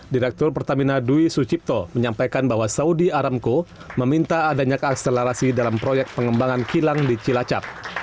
direktur pertamina dwi sucipto menyampaikan bahwa saudi aramco meminta adanya keakselerasi dalam proyek pengembangan kilang di cilacap